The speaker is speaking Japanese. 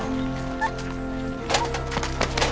あっ。